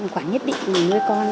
quản nhất định để nuôi con